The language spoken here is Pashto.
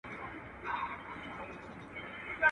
هر شى چي ډېر غبرگ کې لنډېږي، خبره چي ډېره غبرگه کې اوږدېږي.